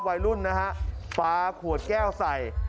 วัยรุ่นนะฮะปลาขวดแก้วใส่